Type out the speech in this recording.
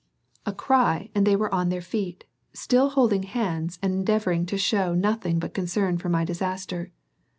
A cry and they were on their feet, still holding hands and endeavoring to show nothing but concern for my disaster.